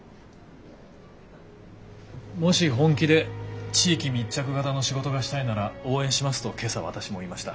もし本気で地域密着型の仕事がしたいなら応援しますと今朝私も言いました。